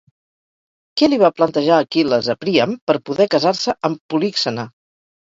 Què li va plantejar Aquil·les a Príam per poder casar-se amb Políxena?